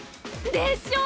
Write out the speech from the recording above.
でしょ！